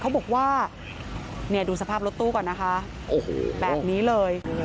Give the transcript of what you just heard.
เขาบอกว่าเนี่ยดูสภาพรถตู้ก่อนนะคะโอ้โหแบบนี้เลย